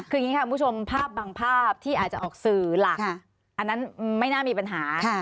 คืออย่างนี้ค่ะคุณผู้ชมภาพบางภาพที่อาจจะออกสื่อหลักอันนั้นไม่น่ามีปัญหา